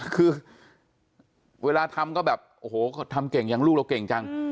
คือเวลาทำก็แบบโอ้โหทำเก่งอย่างลูกเราเก่งจัง